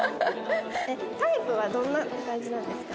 タイプはどんな感じなんですか？